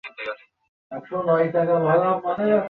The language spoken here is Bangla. শুধু আমার সাথে।